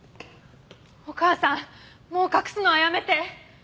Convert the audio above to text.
お母さんもう隠すのはやめて！